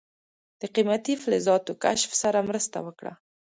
د قیمتي فلزاتو کشف سره مرسته وکړه.